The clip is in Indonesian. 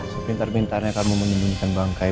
sepintar pintarnya kamu menyembunyi tanggung angkai